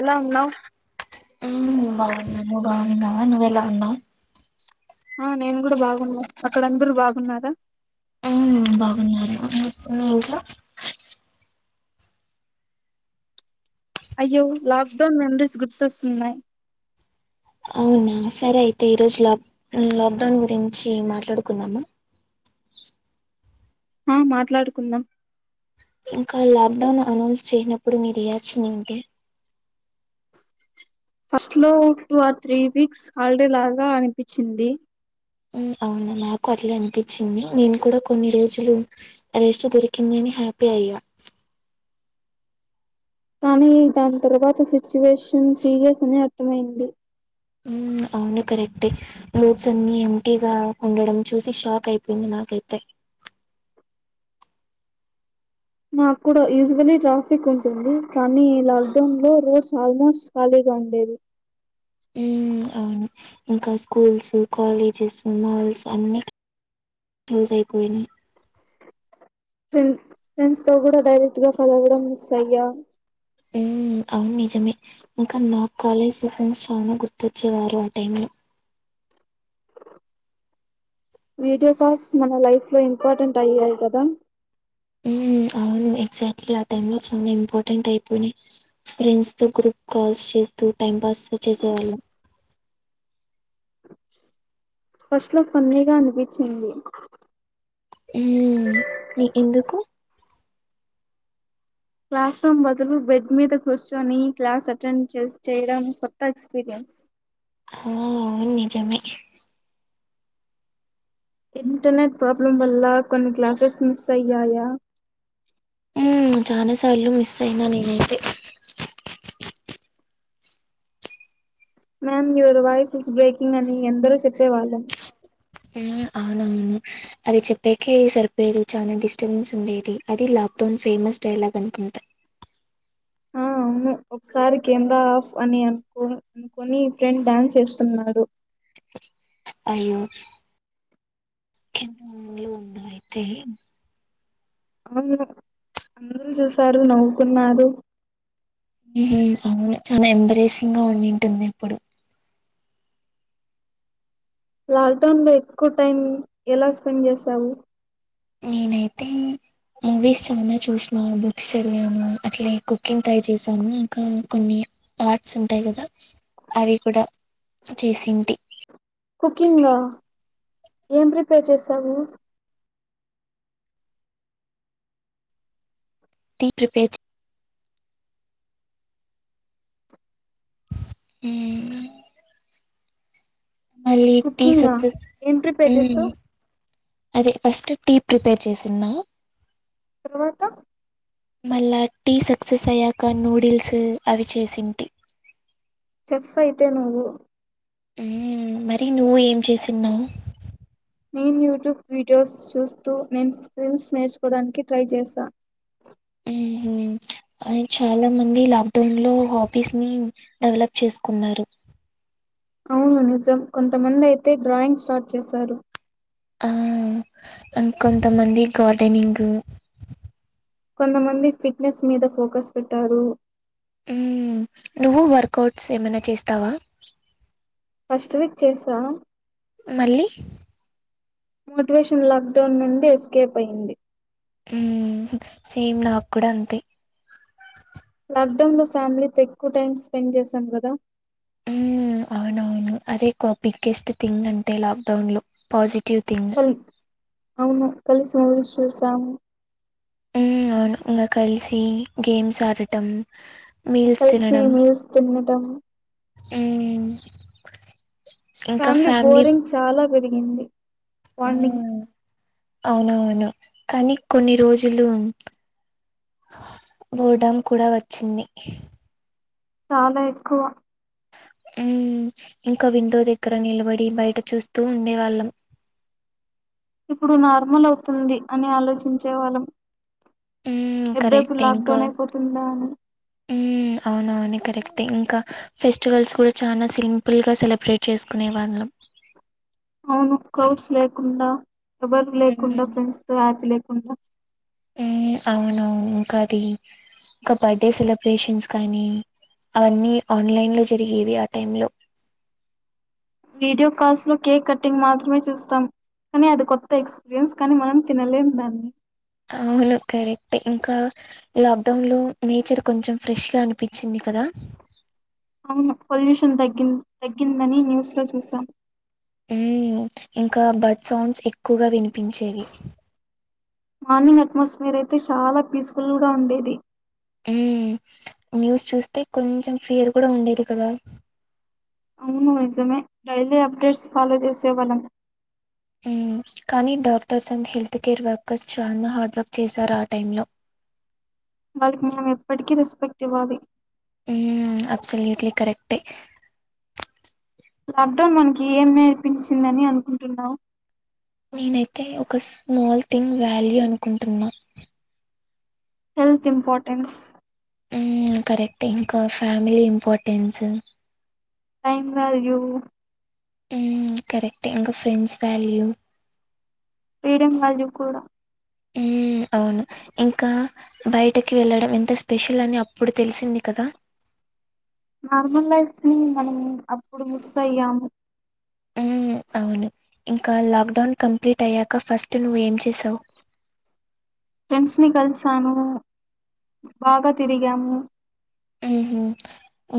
ఎలా ఉన్నావు ఉమ్ బాగున్నా నువ్ బాగున్నావా నువ్వు ఎలా ఉన్నావు ఆ నేను కూడా బాగున్నా అక్కడందరు బాగున్నారా అవును బాగున్నారా మీ ఇంట్లో అయ్యో లాక్డౌన్ మెమరీస్ గుర్తొస్తున్నాయి అవునా సరే అయితే ఈరోజు లాక్ లాక్డౌన్ గురించి మాట్లాడుకుందామా ఆ మాట్లాడుకుందాం ఇంకా లాక్ డౌన్ అనౌన్స్ చేయనప్పుడు మీ రియాచన్ ఏంది ఫస్ట్ లో two or three weeks holiday లాగా అనిపించింది అవునా నాకు అట్లా అనిపించింది నేను కూడా కొన్ని రోజులు రేస్ట్ దొరికిందని హ్యాపీ అయ్యా కానీ దాని తర్వాత సిచ్యువేషన్ సీరియస్ అని అర్థమైంది అవును కరెక్ట్ ఏ రోడ్స్ అన్ని ఏంటీగా ఉండడం చూసి షాక్ అయిపోయింది నాకు అయితే నాకు కూడా యూజువలీ ట్రాఫిక్ ఉంటుంది కానీ లాక్డౌన్ లో రోడ్స్ ఆల్మోస్ట్ ఖాళీ కండేది అవును ఇంకా స్కూల్స్ కాలేజెస్ మాల్స్ అన్ని క్లోజ్ అయిపోయింది ఫ్రెం ఫ్రెండ్స్ తో కూడా డైరెక్ట్ గా కలవడం మిస్ అయ్యా అవును నిజమే ఇంకా నా కాలేజ్ ఫ్రెండ్స్ చాల గుర్తొచ్చేవారు ఆ టై లో వీడియో కాల్స్ మన లైఫ్ లో ఇంపార్టెంట్ అయ్యాయి కదా హ్మ్ అవును ఎగ్జాక్ట్లీ ఆ టైమ్ లో చిన్న ఇంపార్టెంట్ అయిపోయినాయి ఫ్రెండ్స్ తో గ్రూప్ కాల్స్ చేస్తూ టైం పాస్ చేసేవాళ్ళం ఫస్ట్ లో ఫన్నీగా అనిపించింది హ్మ్ ఎందుకు క్లాస్ రూమ్ బదులు బెడ్ మీద కూర్చొని క్లాస్ అటెండ్ చే చేయడం కొత్త ఎక్స్పీరియన్స్ ఆ అవును నిజమే ఇంటర్నెట్ ప్రాబ్లం వల్ల కొన్ని క్లాసెస్ మిస్ అయ్యాయా హ్మ్ చాలా సార్లు మిస్ అయినా నేనైతే ma'am your voice is breaking అని ఎందరో చెప్పేవాళ్ళం ఆ అవునవును అది చెప్పాక సరిపోయేది చాలా డిస్టర్బెన్స్ ఉండేది అది లా లాక్డౌన్ ఫేమస్ డైలాగ్ అనుకుంటా ఆ ఒకసారి కెమెరా ఆఫ్ అని అను అనుకొని ఫ్రెండ్ డాన్స్ చేస్తున్నాడు అయో [unintelligible] అయితే అవును అందరూ చూసారు నవ్వుకున్నారు అవును చాలా ఎంబరేసింగ్ గా ఉండింటుంది అప్పుడు లాక్డౌన్ లో ఎక్కువ టైం ఎలా స్పెండ్ చేసావు నేనైతే మూవీస్ చాలా చూసిన బుక్స్ చదివాను అట్లే కుకింగ్ ట్రై చేశాను ఇంకా కొన్ని పార్ట్స్ ఉంటాయి కదా అవి కూడా చేసింటి కుకింగ్ ఏం ప్రిపేర్ చేసావు టీ ప్ర్రిపేర్ హ్మ్ మళ్ళీ టీ కుకింగా సక్సెస్ ఏం ప్రిపేర్ చేసావు అదే ఫస్ట్ టీ ప్రిపేర్ చేసిన్న తర్వాత మళ్ళా టీ సక్సెస్ అయ్యాక నూడిల్స్ అవి చేసింటి చెఫ్ అయితే నువ్వు ఉ మరి నువ్వు ఏం చేసిన్నావు నేను యూట్యూబ్ వీడియోస్ చూస్తూ నేను స్కిల్స్ నేర్చుకోవడానికి ట్రై చేశా ఉహు అ చాలా మంది లాక్ డౌన్ లో హొబీస్ని డెవలప్ చేసుకున్నారు అవును నిజం కొంతమంది అయితే డ్రాయింగ్ స్టార్ట్ చేశారు ఆ ఇంకొంతమంది గార్డెనింగ్ కొంతమంది ఫిట్నెస్ మీద ఫోకస్ పెట్టారు ఉమ్ నువ్వు వర్కౌట్స్ ఏమైనా చేస్తావా ఫస్ట్ వీక్ చేసా మళ్ళీ మోటివేషన్ లాక్డౌన్ నుండి ఎస్కేప్ అయింది సేమ్ నాకు కూడా అంతే లాక్డౌన్ లో ఫ్యామిలీతో ఎక్కువ టైం స్పెండ్ చేశాం కదా ఉ అవునవును అదే కాపీకాస్ట్ థింగ్ అంటే లాక్డౌన్ లో పాజిటివ్ థింగ్ కల్ అవును కలిసి మూవీస్ చూసాము ఉ అవును ఇంకా కలిసి గేమ్స్ ఆడటం మీల్స్ కలిసి తినడం మీల్స్ తినటం ఉ ఫ్యామిలీ బోరింగ్ చాలా పెరిగింది ఆ వార్నింగ్ అవునవును కానీ కొన్ని రోజులు బోర్డన్ కూడా వచ్చింది చాలా ఎక్కువ ఉ ఇంకా విండో దగ్గర నిలబడి బయట చూస్తూ ఉండేవాళ్ళం ఇప్పుడు నార్మల్ అవుతుంది అని ఆలోచించే వాళ్ళం ఉమ్ ఎప్పుడెప్పుడు కరెక్ట్ ఇంకా లాక్డౌన్ అయిపోతుందా అని ఆమ్ అవునవును కరెక్ట్ ఇంకా ఫెస్టివల్స్ కూడా చాలా సింపుల్ గా సెలబ్రేట్ చేసుకునే వాళ్ళం అవును క్రౌడ్స్ లేకుండా ఎవరు లేకుండా మ్మ్ ఫ్రెండ్స్ తో హ్యాపీ లేకుండా అవునవును ఇంకా అది ఇంకా బర్త్డే సెలబ్రేషన్స్ కానీ అవన్నీ ఆన్లైన్ లో జరిగేవి ఆ టైమ్ లో వీడియో కాల్స్ లో కేక్ కట్టింగ్ మాత్రమే చూస్తాం కానీ అది కొత్త ఎక్స్పీరియన్స్ కానీ మనం తినలేము దాన్ని అవును కరెక్ట్ ఇంకా లాక్ డౌన్ లో నేచర్ కొంచెం ఫ్రెష్గా అనిపించింది కదా అవును పొల్యూషన్ తగ్గింది తగ్గిందని న్యూస్ లో చూశాం ఊ ఇంకా బర్డ్ సౌండ్స్ ఎక్కువగా వినిపించేవి మార్నింగ్ అట్మాస్ఫిర్ అయితే చాలా పీస్ఫుల్ గా ఉండేది ఉమ్ న్యూస్ చూస్తే కొంచెం ఫీయర్ కూడా ఉండేది కదా అవును నిజమే డైలీ అప్డేట్స్ ఫాలో చేసే వాళ్ళం ఉమ్ కానీ doctors and health care workers చాలా హార్డ్వర్క్ చేశారు ఆ టైమ్ లో వాళ్ళకి మనం ఎప్పటికీ రెస్పెక్ట్ ఇవ్వాలి ఉమ్ అబ్సల్యూట్లీ కరెక్టే లాక్డౌన్ మనకి ఏం నేర్పించిందని అనుకుంటున్నావు నేనైతే ఒక స్మాల్ థింగ్ వ్యాల్యూ అనుకుంటున్నా హెల్త్ ఇంపార్ర్టెన్స్ ఉమ్ కరెక్టే ఇంకా family importance time value హ్మ్ కరెక్టే ఇంక ఫ్రెండ్స్ వాల్యూ ఫ్రీడమ్ వాల్యూ కూడా హ్మ్ అవును ఇంక బయటకి వెళ్ళడం ఎంత స్పెషల్ అని అప్పుడు తెలిసింది కదా నార్మల్ లైఫ్ ని మనం అప్పుడు మిస్ అయ్యాము హ్మ్ అవును ఇంక లాక్డౌన్ కంప్లీట్ అయ్యాక ఫస్ట్ నువ్వు ఏం చేసావు ఫ్రెండ్స్ ని కలిసాను బాగా తిరిగాము ఊహూ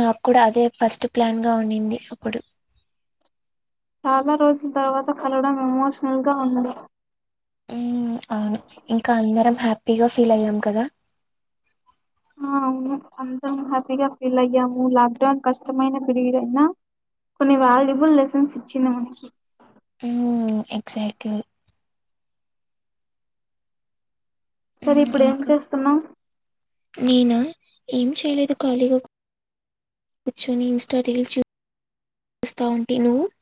నాకు కూడా అదే ఫస్ట్ ప్లాన్ గా ఉండింది అప్పుడు చాలా రోజుల తర్వాత కలవడం ఎమోషనల్ గా ఉంది హ్మ్ అవును ఇంకా అందరం హ్యాపీగా ఫీల్ అయ్యాం కదా [inaudible] ఊహూ అందరం హ్యాపీగా ఫీల్ అయ్యాము లాక్డౌన్ కష్టమైన పీరియడ్ అయినా కొన్ని వాల్యూబుల్ లెసన్స్ ఇచ్చింది మనకి హ్మ్ ఎక్సక్ట్లి సరే హ్మ్ ఇప్పుడు ఏం ఇంకా చేస్తున్నాం నేనా ఏం చేయలేదు ఖాళీగా కూర్చొని ఇన్స్టా రీల్స్ చూస్తావుంటి నువ్వు [inaudible]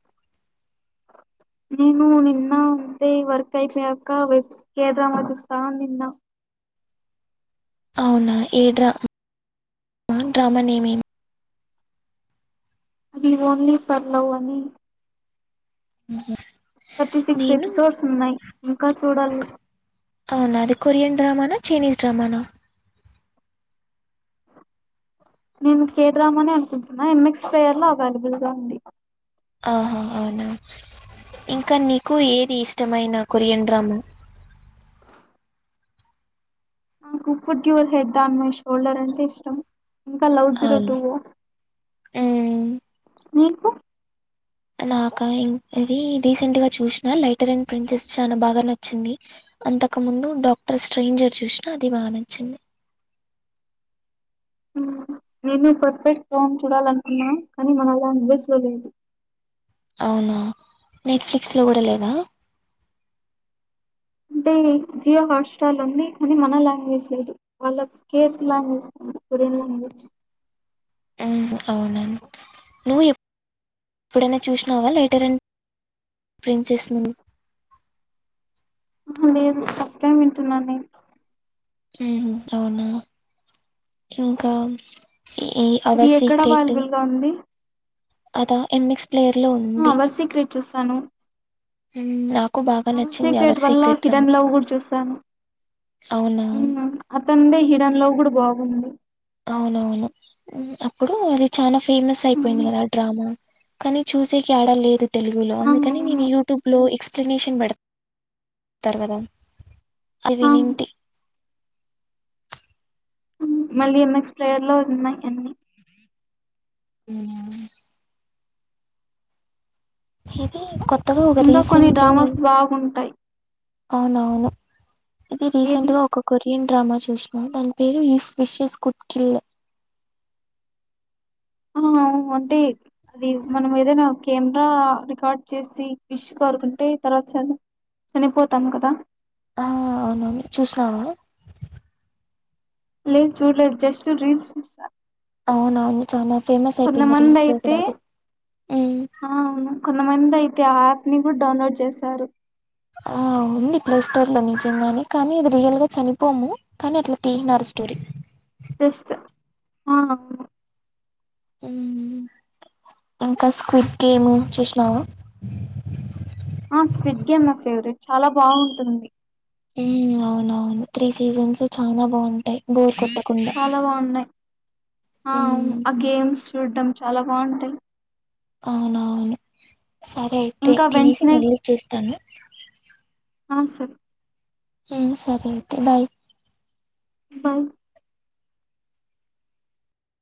నేను నిన్న ఉంటే వర్క్ అయిపోయాక వెబ్ కెడ్రామా చూస్తా నిన్న అవునా ఏడ డ్రామా నేమేమి అది ఓన్లీ ఫర్ లవ్ అని ఊహూ థర్టీ సిక్స్ నేను ఎపిసోడ్స్ ఉన్నాయి ఇంకా చూడాలి అవునా అది కొరియన్ డ్రామనా చైనీస్ డ్రామానా నేను కే డ్రామా అనే అనుకుంటున్నా ఎంఎక్స్ ప్లేయర్ లో అవైలబుల్ గా ఉంది ఆహా అవునా ఇంకా నీకు ఏది ఇష్టమైన కొరియన్ డ్రామా నాకు food your head on my shoulder అంటే ఇష్టం ఇంకా లవ్ జీరో అవును టూ మ్మ్ నీకు నాకా ఇం ఇది రీసెంట్ గా చూసిన లైటర్ అండ్ ప్రిన్సెస్ చాలా బాగా నచ్చింది అంతకు ముందు డాక్టర్ స్ట్రేంజర్ చూసినా అది బా నచ్చింది నేను పర్ఫెక్ట్ం చూడాలనుకున్నా కానీ మన లాంగ్వేజ్ లో లేదు అవునా నెట్ఫ్లిక్స్ లో కూడా లేదా అంటే జియో హాట్స్టార్ల్ ఉంది కానీ మన లాంగ్వేజ్ లేదు వాళ్ళ కే లాంగ్వేజ్ ఉంది కొరియన్ లాంగ్వేజ్ ఆహా అవునా ఎప్పుడైనా చూసినావా లేటర్ అండ్ ప్రిన్సెస్ ముందు అహ లేదు ఫస్ట్ టైం వింటున్నా నేను ఊహూ అవునా ఇంకా ఈ అది అవర్ ఎక్కడ అవైలబుల్ సీక్రెటింగ్ గా ఉంది అదా ఎం ఎక్స్ అవర్ సీక్రెట్ చూసాను హ్మ్ ఆ అవర్ సీక్రేట్ వల్ల హిడెన్ లవ్ కూడా చూసాను అవునా తందే హిడెన్ లవ్ కూడా బాగుంది అవునవును అప్పుడు అది చాన ఫేమస్ అయిపోయింది హ్మ్. కదా ఆ డ్రామా కానీ చూసేకి ఆడలేదు తెలుగులో ఆ అందుకని నేను అవును యూట్యూబ్ లో ఎలిమినేషన్ పెడతారు కదా ఆ అవినింటి మళ్ళీ నెక్స్ట్ ప్లేయర్ లో ఉన్నాయి అన్నీ అ ఇది కొత్తగా ఒక ఇంకా కొన్ని రీసెంట్ డ్రామాస్ బాగుంటాయి అవునవును ఇది ఏది రీసెంట్ గా ఒక కొరియన్ డ్రామా చూసినాం దాని పేరు ఇఫ్ విషస్ కుట్ కిల్ ఆ అవును. అంటే అది మనం ఏదైనా కెమెరా రికార్డ్ చేసి విష్ కోరుకుంటే తర్వాత చాలా చనిపోతాం కదా ఆ అవునను చూసినావా లేదు చూడలేదు జస్ట్ రీల్స్ చూసా అవునవును చాల ఫేమస్ అయిపోయింది కొంతమంది రీల్స్ లో అయితే కూడా అది ఉమ్, అవును కొంతమంది అయితే ఆ యాప్ ని కూడా డౌన్లోడ్ చేశారు ఆ ఉంది ప్లే స్టోర్ లో నిజంగా కానీ అది రియల్ గా చనిపోము కానీ అట్లా తీసినారు స్టోరి జస్ట్ఆ మ్మ్ హ్హ్ ఇంకా స్క్విడ్ గేమ్ చూసినావా ఆ స్క్రిట్ గేమ్ నా ఫేవరెట్ చాలా బాగుంటుంది అవునవును త్రీ సీజన్స్ చాలా బాగుంటాయి బోరు కొట్టదు చాలా బాగున్నాయి ఆ అవును ఉమ్, ఆ గేమ్స్ చూడడం చాలా బాగుంటాయి అవునవును సరే అయితే ఇంకా తినేసి వెన్స్నే మళ్ళీ చేస్తాను అ సరే సరే అయితే బాయ్ బాయ్